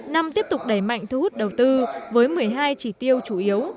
năm tiếp tục đẩy mạnh thu hút đầu tư với một mươi hai chỉ tiêu chủ yếu